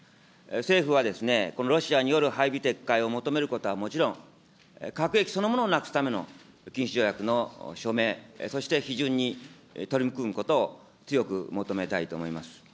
政府はですね、このロシアによる配備撤回を求めることはもちろん、核兵器そのものをなくすための禁止条約の署名、そして批准に取り組むことを強く求めたいと思います。